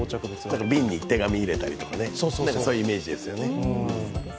瓶に手紙入れたり、そういうイメージですよね。